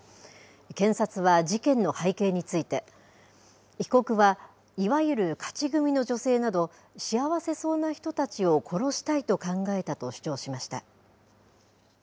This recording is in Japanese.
検察は事件の背景について、被告はいわゆる勝ち組の女性など、幸せそうな人たちを殺したいと考えたと主張しました。